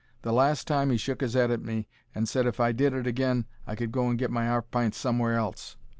The last time he shook his 'ead at me, and said if I did it agin I could go and get my 'arf pints somewhere else.